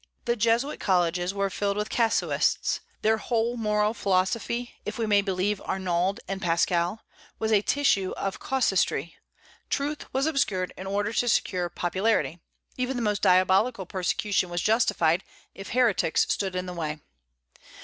The Jesuit colleges were filled with casuists. Their whole moral philosophy, if we may believe Arnauld and Pascal, was a tissue of casuistry; truth was obscured in order to secure popularity; even the most diabolical persecution was justified if heretics stood in the way.